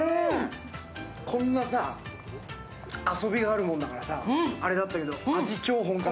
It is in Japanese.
こんな遊びがあるもんだからさ、あれだったけど。